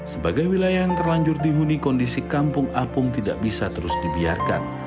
sebagai wilayah yang terlanjur dihuni kondisi kampung apung tidak bisa terus dibiarkan